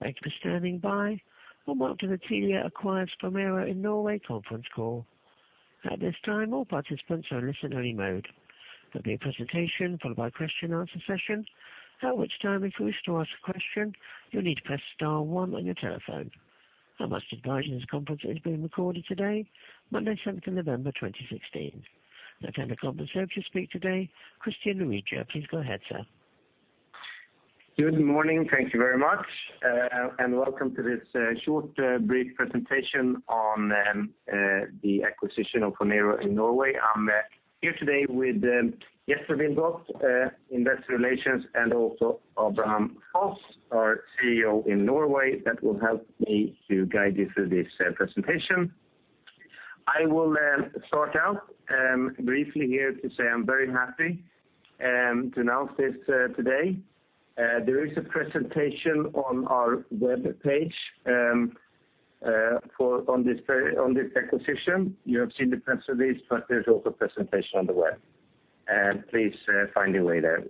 Thank you for standing by. Welcome to the Telia Acquires Phonero in Norway conference call. At this time, all participants are in listen-only mode. There'll be a presentation followed by question answer session. At which time if you wish to ask a question, you'll need to press star one on your telephone. I must advise you this conference is being recorded today, Monday, 7th of November, 2016. To handle conference service you speak today, Christian Luiga. Please go ahead, sir. Good morning. Thank you very much, welcome to this short, brief presentation on the acquisition of Phonero in Norway. I am here today with Jesper Wilgodt, Investor Relations, and also Abraham Foss, our CEO in Norway, that will help me to guide you through this presentation. I will start out briefly here to say I am very happy to announce this today. There is a presentation on our web page on this acquisition. You have seen the press release, but there is also a presentation on the web. Please find your way there.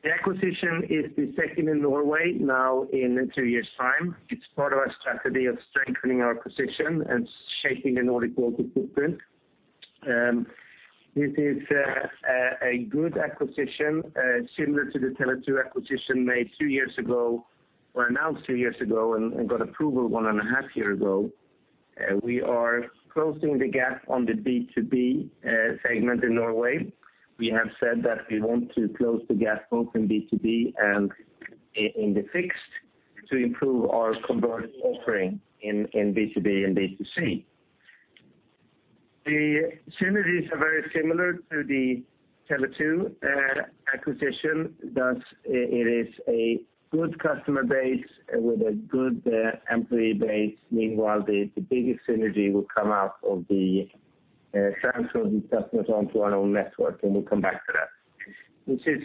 The acquisition is the second in Norway now in 2 years' time. It is part of our strategy of strengthening our position and shaping a Nordic growth footprint. This is a good acquisition, similar to the Tele2 acquisition made 2 years ago, or announced 2 years ago, and got approval one and a half year ago. We are closing the gap on the B2B segment in Norway. We have said that we want to close the gap both in B2B and in the fixed to improve our converged offering in B2B and B2C. The synergies are very similar to the Tele2 acquisition. Thus, it is a good customer base with a good employee base. Meanwhile, the biggest synergy will come out of the transfer of customers onto our own network, and we will come back to that. This is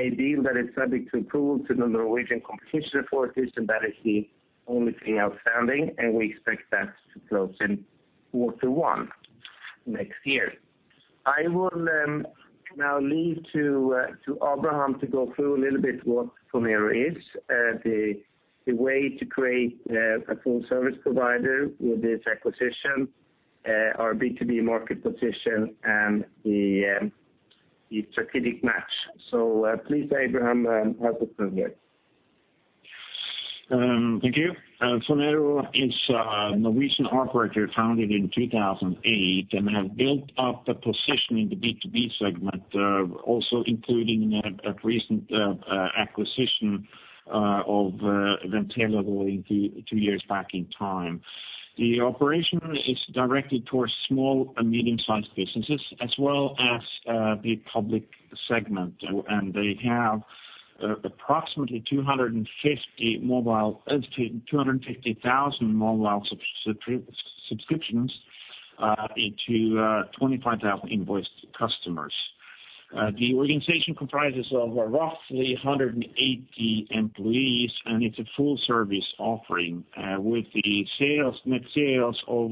a deal that is subject to approval to the Norwegian Competition Authorities, that is the only thing outstanding, and we expect that to close in quarter one next year. I will now leave to Abraham to go through a little bit what Phonero is, the way to create a full service provider with this acquisition, our B2B market position, and the strategic match. Please, Abraham, have the floor there. Thank you. Phonero is a Norwegian operator founded in 2008 and have built up a position in the B2B segment, also including a recent acquisition of Ventelo two years back in time. The operation is directed towards small and medium-sized businesses as well as the public segment, and they have approximately 250,000 mobile subscriptions into 25,000 invoiced customers. The organization comprises of roughly 180 employees, and it's a full service offering, with the net sales of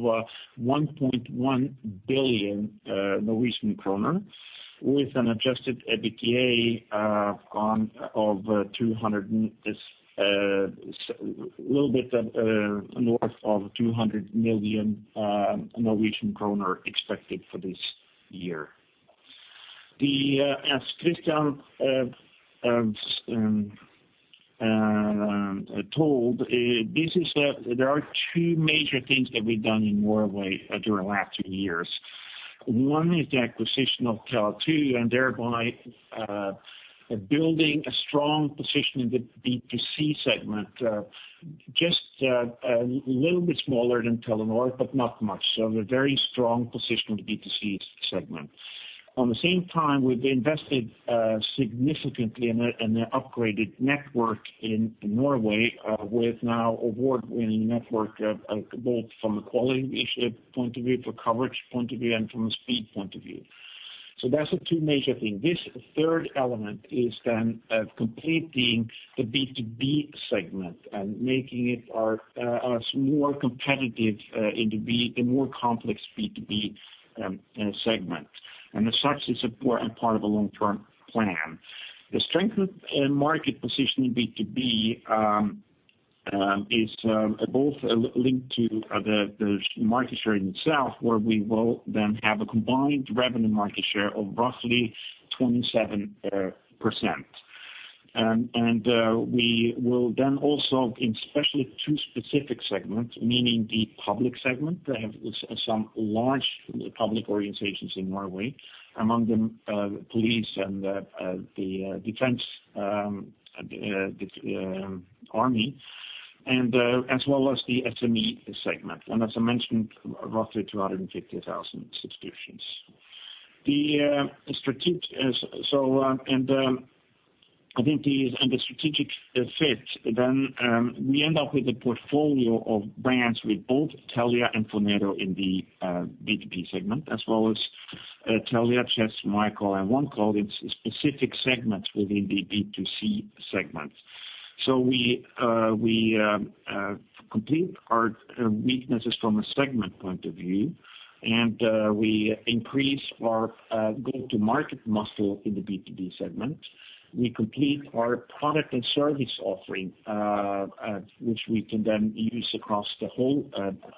1.1 billion Norwegian kroner with an adjusted EBITDA of a little bit north of NOK 200 million expected for this year. As Christian told, there are two major things that we've done in Norway during the last two years. One is the acquisition of Tele2 and thereby building a strong position in the B2C segment, just a little bit smaller than Telenor, but not much. We have a very strong position with B2C segment. On the same time, we've invested significantly in an upgraded network in Norway, with now award-winning network both from a quality point of view, for coverage point of view, and from a speed point of view. That's the two major things. This third element is then completing the B2B segment and making us more competitive in the more complex B2B segment. As such, it's important part of a long-term plan. The strength in market position in B2B is both linked to the market share in itself, where we will then have a combined revenue market share of roughly 27%. We will then also in especially two specific segments, meaning the public segment, they have some large public organizations in Norway, among them police and the defense army, and as well as the SME segment, and as I mentioned, roughly 250,000 subscriptions. I think in the strategic fit then, we end up with a portfolio of brands with both Telia and Phonero in the B2B segment, as well as Telia, Chess, MyCall, and OneCall in specific segments within the B2C segments. We complete our weaknesses from a segment point of view, and we increase our go-to-market muscle in the B2B segment. We complete our product and service offering, which we can then use across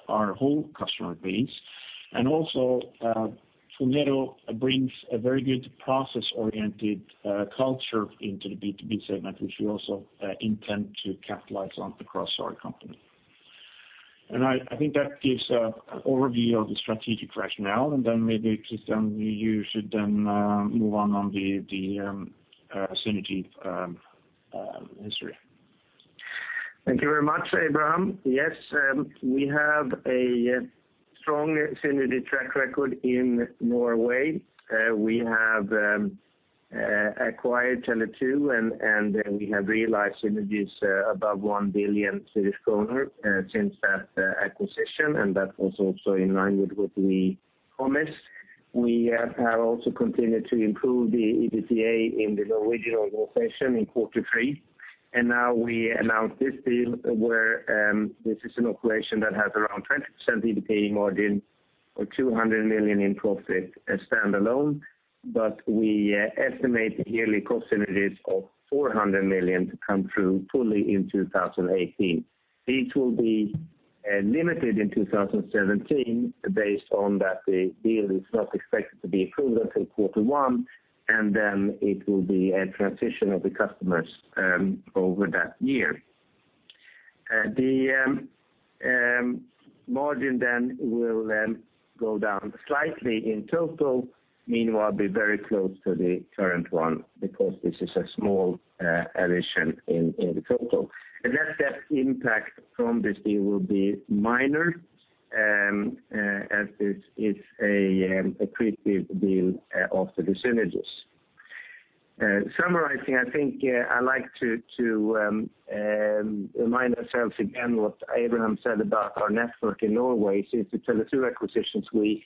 our whole customer base. Also, Phonero brings a very good process-oriented culture into the B2B segment, which we also intend to capitalize on across our company. I think that gives an overview of the strategic rationale, and then maybe, Christian, you should then move on the synergy history. Thank you very much, Abraham. Yes, we have a strong synergy track record in Norway. We have acquired Tele2, we have realized synergies above 1 billion Swedish kronor since that acquisition. That was also in line with what we promised. We have also continued to improve the EBITDA in the Norwegian organization in quarter three. Now we announce this deal where this is an operation that has around 20% EBITDA margin or 200 million in profit standalone. We estimate yearly cost synergies of 400 million to come through fully in 2018. These will be limited in 2017 based on that the deal is not expected to be approved until quarter one, it will be a transition of the customers over that year. The margin will go down slightly in total, meanwhile be very close to the current one because this is a small addition in the total. The net debt impact from this deal will be minor, as this is an accretive deal after the synergies. Summarizing, I think I like to remind ourselves again what Abraham said about our network in Norway. Since the Tele2 acquisitions, we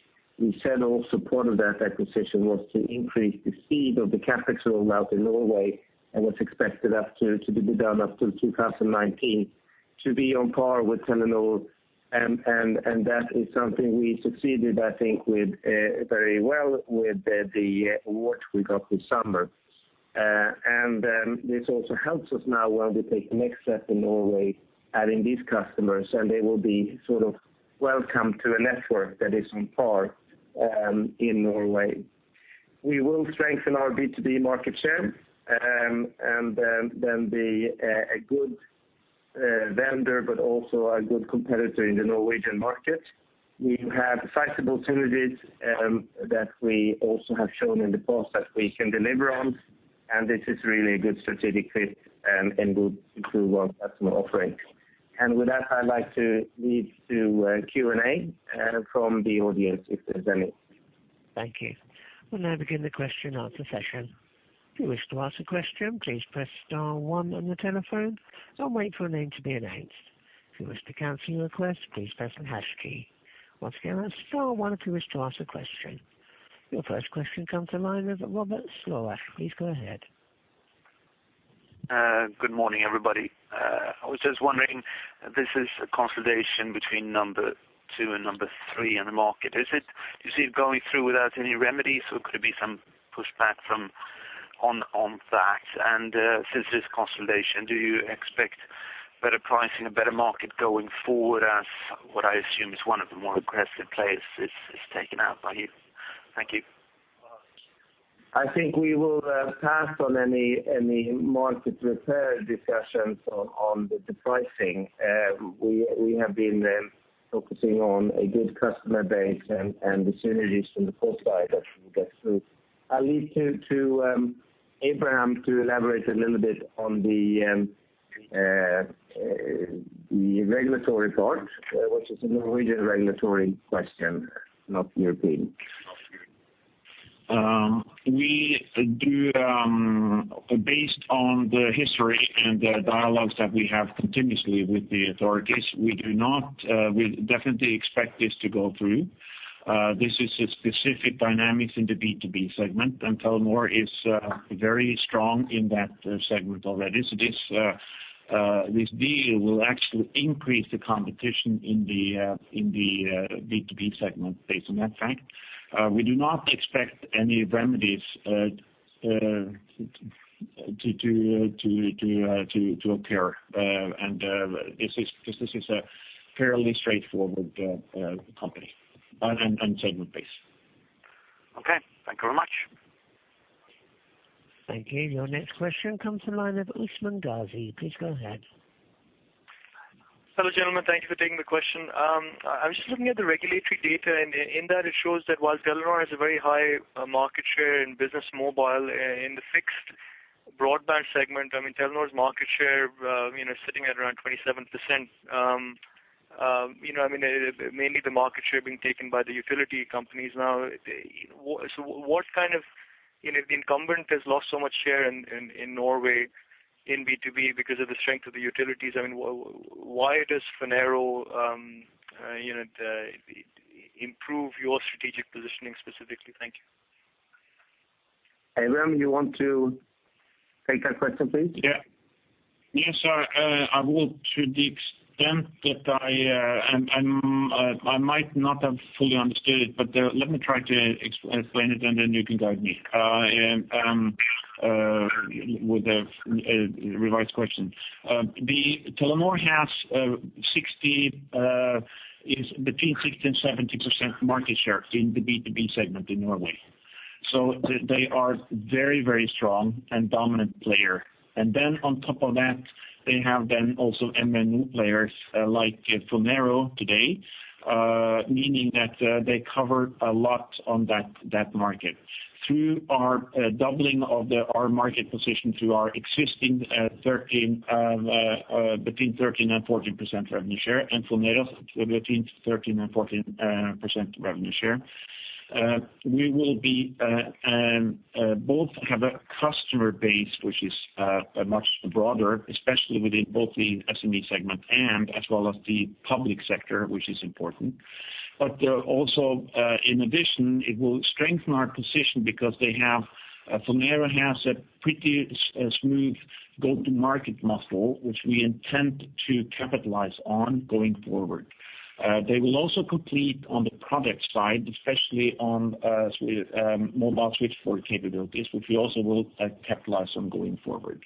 said all support of that acquisition was to increase the speed of the CapEx roll-out in Norway and was expected to be done up till 2019, to be on par with Telenor, that is something we succeeded, I think, with very well with what we got this summer. This also helps us now when we take the next step in Norway, adding these customers, they will be sort of welcome to a network that is on par in Norway. We will strengthen our B2B market share, be a good vendor, also a good competitor in the Norwegian market. We have sizable synergies that we also have shown in the past that we can deliver on, this is really a good strategic fit and will improve our customer offering. With that, I'd like to lead to Q&A from the audience, if there's any. Thank you. We'll now begin the question and answer session. If you wish to ask a question, please press star one on your telephone and wait for your name to be announced. If you wish to cancel your request, please press the hash key. Once again, that's star one if you wish to ask a question. Your first question comes to line of Robert Horwich. Please go ahead. Good morning, everybody. I was just wondering, this is a consolidation between number two and number three in the market. Do you see it going through without any remedies, or could it be some pushback on that? Since this consolidation, do you expect better pricing, a better market going forward as what I assume is one of the more aggressive players is taken out by you? Thank you. I think we will pass on any market repair discussions on the pricing. We have been focusing on a good customer base and the synergies from the cost side as we get through. I leave to Abraham to elaborate a little bit on the regulatory part, which is a Norwegian regulatory question, not European. Based on the history and the dialogues that we have continuously with the authorities, we definitely expect this to go through. This is a specific dynamic in the B2B segment, and Telenor is very strong in that segment already. This deal will actually increase the competition in the B2B segment based on that fact. We do not expect any remedies to occur. This is a fairly straightforward company and segment base. Okay. Thank you very much. Thank you. Your next question comes from the line of Usman Ghazi. Please go ahead. Hello, gentlemen. Thank you for taking the question. In that it shows that while Telenor has a very high market share in business mobile, in the fixed broadband segment, Telenor's market share sitting at around 27%. Mainly the market share being taken by the utility companies now. The incumbent has lost so much share in Norway in B2B because of the strength of the utilities. Why does Phonero improve your strategic positioning specifically? Thank you. Abraham, you want to take that question, please? Yeah. Yes, sir, I will, to the extent that I might not have fully understood it. Let me try to explain it, and then you can guide me with a revised question. Telenor has between 60% and 70% market share in the B2B segment in Norway. They are very strong and dominant player. On top of that, they have then also MNO players like Phonero today, meaning that they cover a lot on that market. Through our doubling of our market position through our existing between 13% and 14% revenue share and Phonero's between 13% and 14% revenue share, we will both have a customer base which is much broader, especially within both the SME segment and as well as the public sector, which is important. In addition, it will strengthen our position because Phonero has a pretty smooth go-to-market muscle, which we intend to capitalize on going forward. They will also complete on the product side, especially on mobile switch for capabilities, which we also will capitalize on going forward.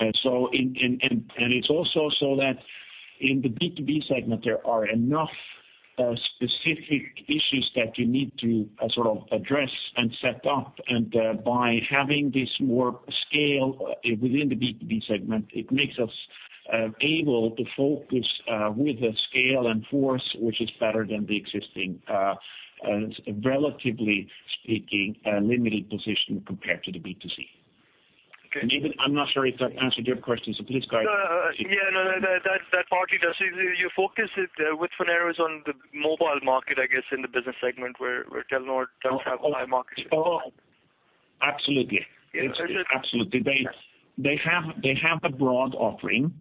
It's also so that in the B2B segment, there are enough specific issues that you need to address and set up. By having this more scale within the B2B segment, it makes us able to focus with a scale and force which is better than the existing, relatively speaking, limited position compared to the B2C. Okay. Even, I'm not sure if that answered your question, so please guide me. Yeah, no, that partly does. You focus it with Phonero's on the mobile market, I guess, in the business segment, where Telenor don't have a high market share. Oh, absolutely. Yeah. Absolutely. They have a broad offering.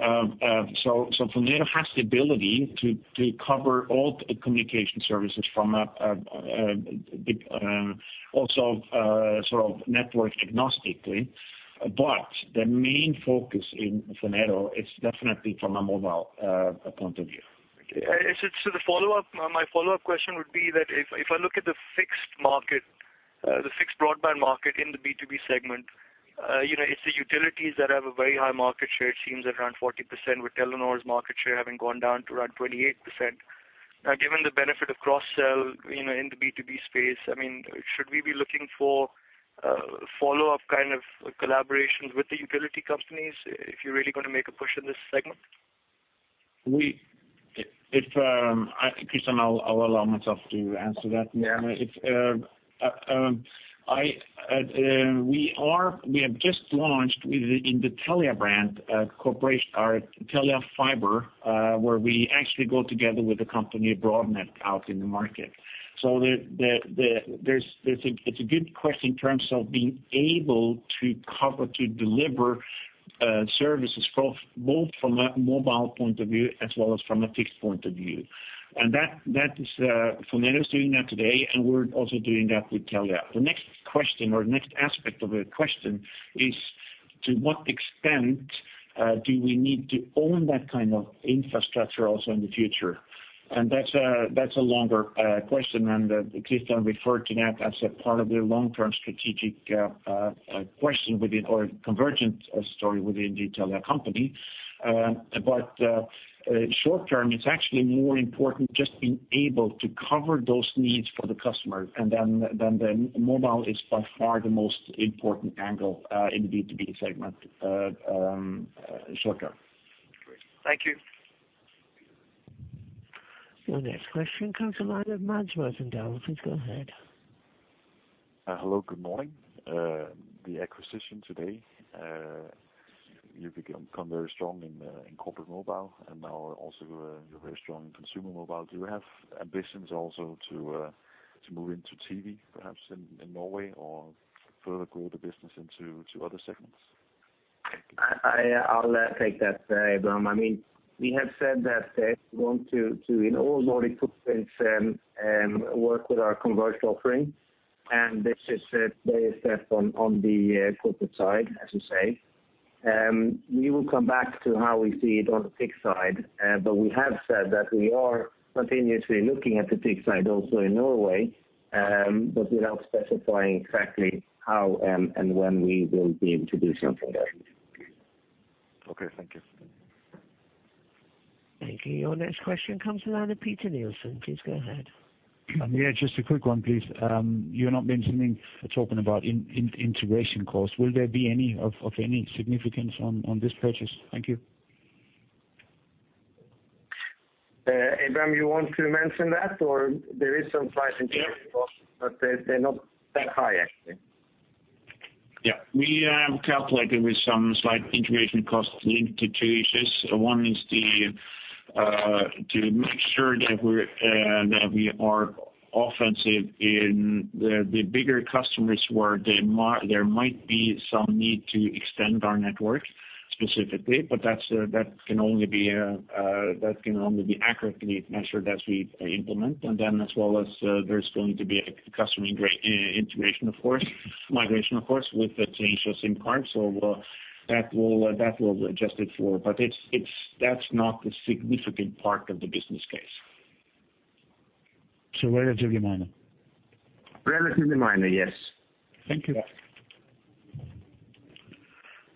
Phonero has the ability to cover all communication services from a big, also network agnostically. The main focus in Phonero is definitely from a mobile point of view. My follow-up question would be that if I look at the fixed broadband market in the B2B segment, it's the utilities that have a very high market share. It seems around 40%, with Telenor's market share having gone down to around 28%. Given the benefit of cross-sell in the B2B space, should we be looking for follow-up kind of collaborations with the utility companies if you're really going to make a push in this segment? Christian, I'll allow myself to answer that. Yeah. We have just launched in the Telia brand cooperation, our Telia fiber, where we actually go together with the company Broadnet out in the market. It's a good question in terms of being able to cover, to deliver services both from a mobile point of view as well as from a fixed point of view. Phonero's doing that today, and we're also doing that with Telia. The next question or next aspect of the question is to what extent do we need to own that kind of infrastructure also in the future? That's a longer question, and Christian referred to that as a part of the long-term strategic question within our convergent story within the Telia Company. Short term, it's actually more important just being able to cover those needs for the customer. Mobile is by far the most important angle in the B2B segment short term. Great. Thank you. Your next question comes from the line of Mads Mørch from DNB. Please go ahead. Hello, good morning. The acquisition today, you've become very strong in corporate mobile, and now also you're very strong in consumer mobile. Do you have ambitions also to move into TV, perhaps in Norway or further grow the business into other segments? I'll take that, Abraham. We have said that we want to, in all Nordic footprints, work with our converged offering, and this is very set on the corporate side, as you say. We will come back to how we see it on the fixed side. We have said that we are continuously looking at the fixed side also in Norway, but without specifying exactly how and when we will be able to do something there. Okay, thank you. Thank you. Your next question comes from the line of Peter Nielsen. Please go ahead. Just a quick one, please. You're not mentioning, talking about integration costs. Will there be any of any significance on this purchase? Thank you. Abraham, you want to mention that, or there is some slight integration cost, but they're not that high, actually. We have calculated with some slight integration costs linked to two issues. One is to make sure that we are offensive in the bigger customers where there might be some need to extend our network Specifically, that can only be accurately measured as we implement. As well as there's going to be a customer integration, of course, migration, of course, with the Telia SIM cards. That will be adjusted for. That's not the significant part of the business case. Relatively minor? Relatively minor, yes. Thank you.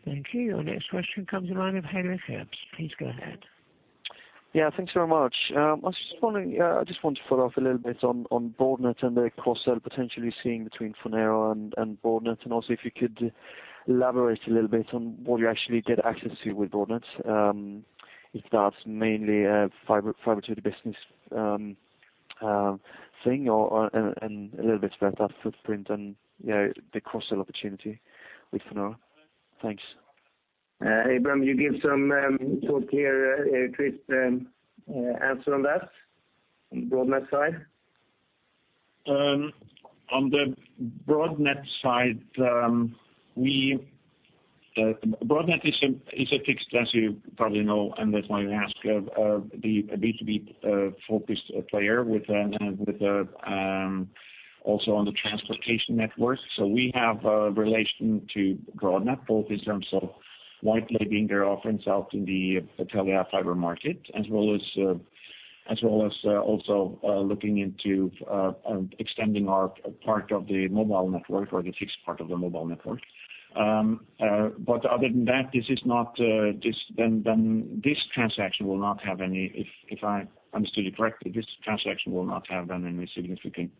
Thank you. Your next question comes the line of Henry Phillips. Please go ahead. Yeah, thanks very much. I just want to follow up a little bit on Broadnet and the cross-sell potentially seeing between Phonero and Broadnet. And also if you could elaborate a little bit on what you actually get access to with Broadnet, if that's mainly a fiber to the business thing and a little bit about that footprint and the cross-sell opportunity with Phonero. Thanks. Abraham, you give some thought here, a brief answer on that, on Broadnet side? On the Broadnet side, Broadnet is a fixed, as you probably know, and that's why you ask, the B2B, focused player with also on the transportation network. We have a relation to Broadnet, both in terms of white labeling their offerings out in the Telia fiber market, as well as also looking into extending our part of the mobile network or the fixed part of the mobile network. Other than that, this transaction will not have any, if I understood you correctly, this transaction will not have any significant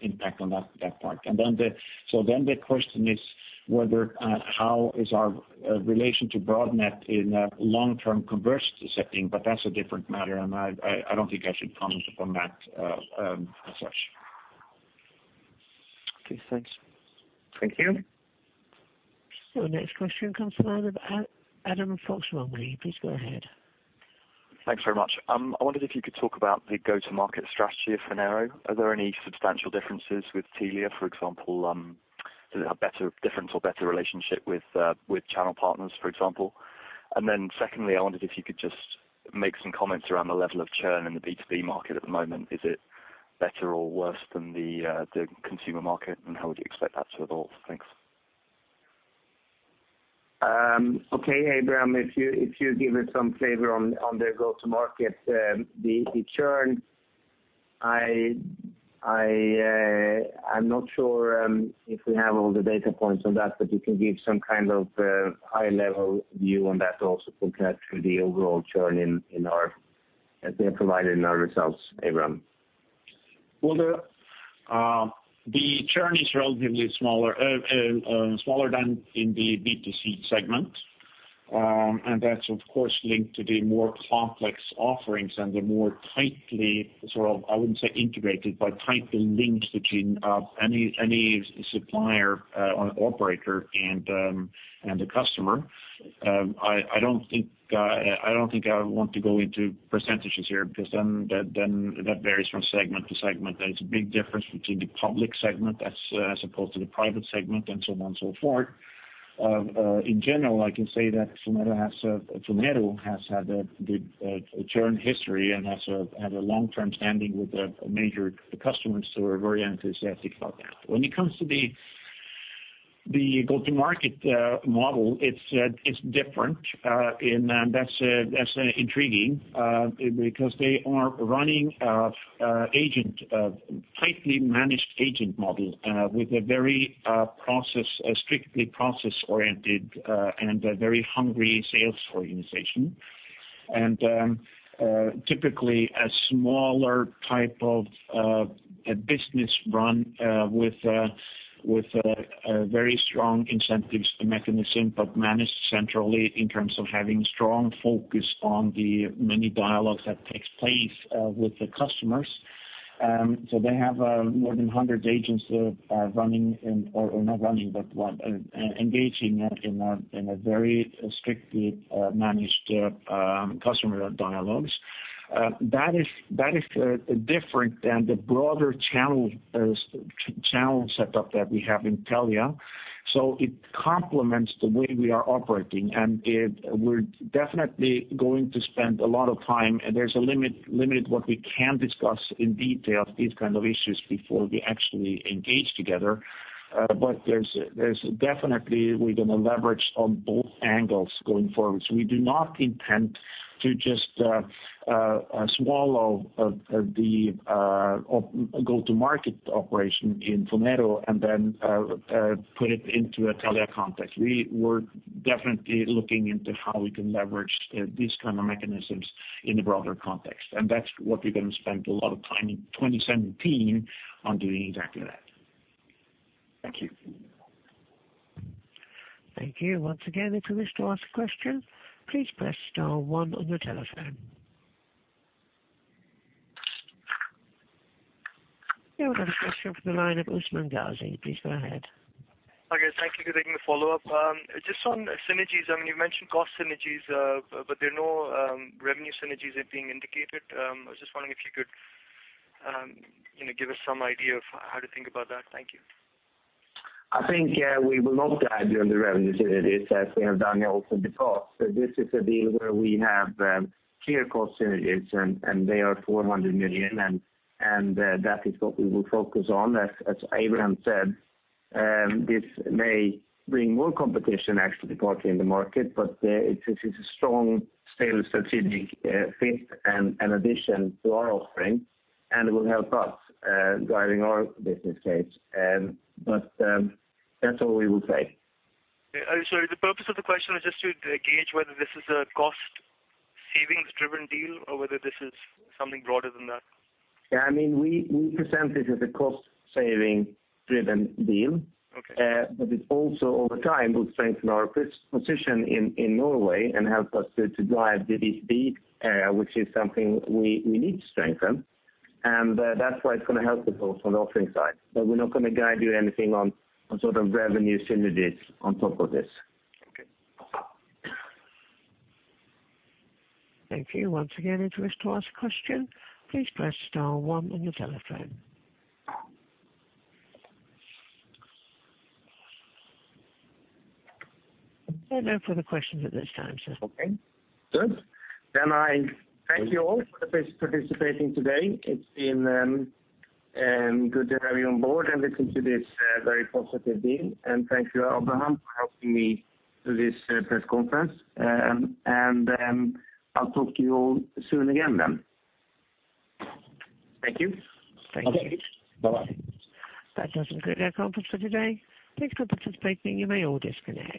impact on that part. The question is whether how is our relation to Broadnet in a long-term conversed setting, but that's a different matter, and I don't think I should comment upon that as such. Okay, thanks. Thank you. Next question comes from the line of Adam Fox-Rumley. Please go ahead. Thanks very much. I wondered if you could talk about the go-to-market strategy of Phonero. Are there any substantial differences with Telia, for example, does it have different or better relationship with channel partners, for example? Secondly, I wondered if you could just make some comments around the level of churn in the B2B market at the moment. Is it better or worse than the consumer market, and how would you expect that to evolve? Thanks. Okay. Abraham, if you give it some flavor on the go to market, the churn, I'm not sure if we have all the data points on that, but you can give some kind of high level view on that also compared to the overall churn that we have provided in our results, Abraham. Well, the churn is relatively smaller than in the B2C segment. That's of course linked to the more complex offerings and the more tightly sort of, I wouldn't say integrated, but tightly linked between any supplier or operator and the customer. I don't think I want to go into percentages here, because then that varies from segment to segment, and it's a big difference between the public segment as opposed to the private segment and so on and so forth. In general, I can say that Phonero has had a good churn history and has had a long-term standing with the major customers who are very enthusiastic about that. When it comes to the go-to-market model, it's different, and that's intriguing, because they are running a tightly managed agent model with a very strictly process-oriented and a very hungry sales organization. Typically a smaller type of business run with very strong incentives mechanism, but managed centrally in terms of having strong focus on the many dialogues that takes place with the customers. They have more than 100 agents engaging in a very strictly managed customer dialogues. That is different than the broader channel setup that we have in Telia. It complements the way we are operating, and we're definitely going to spend a lot of time, and there's a limit what we can discuss in detail these kind of issues before we actually engage together. Definitely we're going to leverage on both angles going forward. We do not intend to just swallow the go-to-market operation in Phonero and then put it into a Telia context. We're definitely looking into how we can leverage these kind of mechanisms in the broader context. That's what we're going to spend a lot of time in 2017 on doing exactly that. Thank you. Thank you. Once again, if you wish to ask a question, please press star one on your telephone. We have another question from the line of Usman Ghazi. Please go ahead. Okay. Thank you for taking the follow-up. Just on synergies, I mean, you mentioned cost synergies, but there are no revenue synergies being indicated. I was just wondering if you could give us some idea of how to think about that. Thank you. I think we will not guide you on the revenue synergies as we have done also the cost. This is a deal where we have clear cost synergies, and they are 400 million, and that is what we will focus on. As Abraham said, this may bring more competition actually partly in the market, but it is a strong, still strategic fit and addition to our offering, and will help us driving our business case. That's all we will say. Okay. Sorry, the purpose of the question was just to gauge whether this is a cost savings driven deal or whether this is something broader than that. Yeah, we present it as a cost saving driven deal. Okay. It also over time will strengthen our position in Norway and help us to drive the B2B area, which is something we need to strengthen. That's why it's going to help us also on the offering side. We're not going to guide you anything on sort of revenue synergies on top of this. Okay. Thank you. Once again, if you wish to ask a question, please press star one on your telephone. No further questions at this time, sir. Okay, good. I thank you all for participating today. It's been good to have you on board and listen to this very positive deal. Thank you, Abraham, for helping me through this press conference. I'll talk to you all soon again then. Thank you. Okay. Bye-bye. That does conclude our conference for today. Thanks for participating. You may all disconnect.